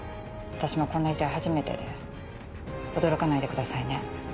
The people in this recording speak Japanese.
私もこんな遺体初めてで驚かないでくださいね。